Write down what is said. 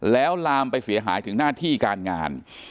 แล้วลามไปเสียหายถึงหน้าที่การงาน